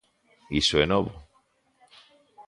Iso é novo.